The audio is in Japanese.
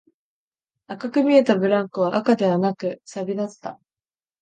赤く見えたブランコは赤ではなく、錆だった